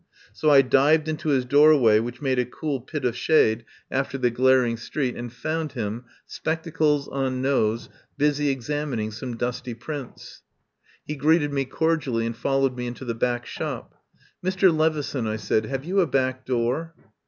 So I dived into his doorway, which made a cool pit of shade after 172 I FIND SANCTUARY the glaring street, and found him, spectacles on nose, busy examining some dusty prints. He greeted me cordially and followed me into the back shop. "Mr. Levison," I said, "have you a back door?"